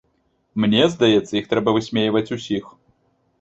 Мне здаецца, іх трэба высмейваць усіх.